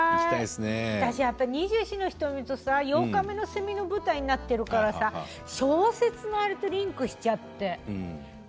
私やっぱり「二十四の瞳」と「八日目の蝉」の舞台になっているから小説のあれとリンクしちゃって。